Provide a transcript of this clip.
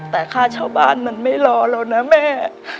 แต่ค่าเช่าบ้านมันไม่รอแล้วนะแม่